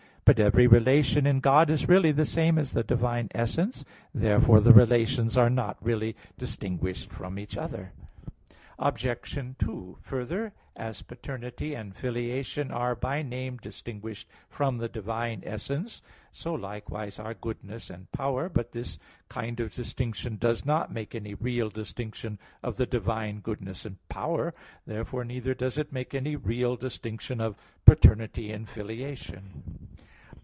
But every relation in God is really the same as the divine essence. Therefore the relations are not really distinguished from each other. Obj. 2: Further, as paternity and filiation are by name distinguished from the divine essence, so likewise are goodness and power. But this kind of distinction does not make any real distinction of the divine goodness and power. Therefore neither does it make any real distinction of paternity and filiation.